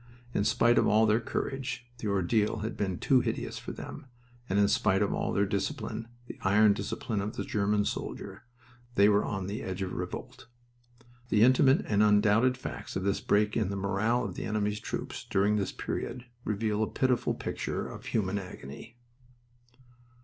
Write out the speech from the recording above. In spite of all their courage, the ordeal had been too hideous for them, and in spite of all their discipline, the iron discipline of the German soldier, they were on the edge of revolt. The intimate and undoubted facts of this break in the morale of the enemy's troops during this period reveal a pitiful picture of human agony.